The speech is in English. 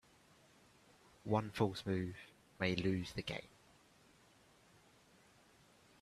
One false move may lose the game.